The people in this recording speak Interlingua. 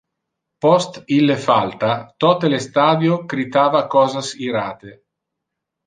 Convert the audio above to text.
Post ille falta, tote le stadio critava cosas irate.